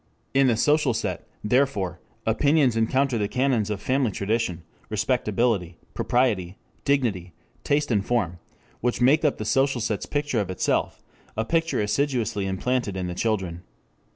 In the social set, therefore, opinions encounter the canons of Family Tradition, Respectability, Propriety, Dignity, Taste and Form, which make up the social set's picture of itself, a picture assiduously implanted in the children.